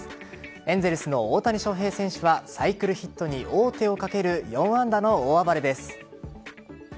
エンゼルスの大谷翔平選手はサイクルヒットに王手をかける４安打の大暴れです。